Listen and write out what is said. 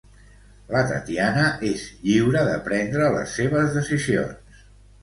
La Tatiana és lliure de prendre les seves decisions.